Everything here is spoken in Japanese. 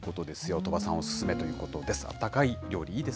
鳥羽さんお勧めということです。